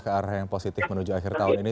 ke arah yang positif menuju akhir tahun ini